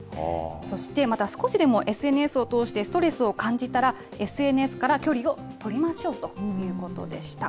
そしてまた、少しでもＳＮＳを通してストレスを感じたら、ＳＮＳから距離を取りましょうということでした。